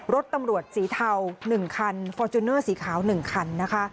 รถตำรวจสีเทา๑คันฟอร์จูเนอร์สีขาว๑คันนะคะ